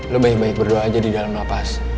lo baik baik berdoa aja di dalam nafas